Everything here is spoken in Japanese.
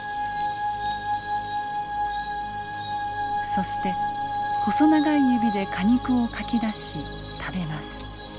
そして細長い指で果肉をかき出し食べます。